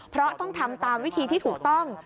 เพราะต้องทำตามวิธีที่ถูกต้อง